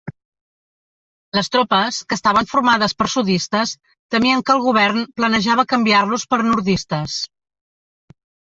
Les tropes, que estaven formades per sudistes, temien que el govern planejava canviar-los per nordistes.